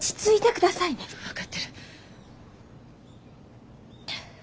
分かってる。